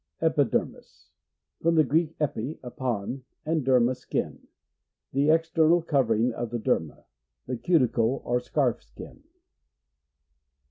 Epidermis. — From the Greek, epi, upon, and derma, skin. The ex ternal covering of the derma. The cuticle or scarf skin.